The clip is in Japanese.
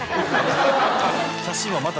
写真もまた。